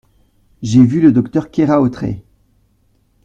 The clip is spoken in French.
J’ai vu le docteur Keraotred.